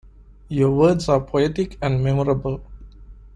Your words are poetic and memorable.